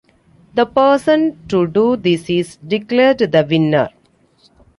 The person to do this is declared the winner.